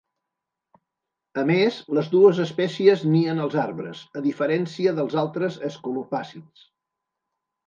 A més, les dues espècies nien als arbres, a diferència dels altres escolopàcids.